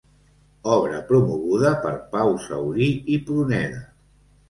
Obra promoguda per Pau Saurí i Pruneda.